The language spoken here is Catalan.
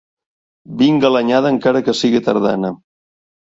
Vinga l'anyada encara que siga tardana.